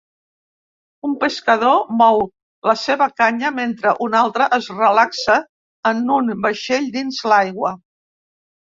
Un pescador mou la seva canya mentre un altre es relaxa en un vaixell dins l'aigua.